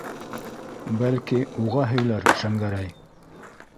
Бәлки, уға һөйләр Шәңгәрәй.